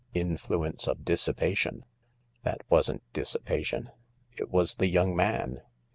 Influence of dissipation, "That wasn't dissipation; it was the young man."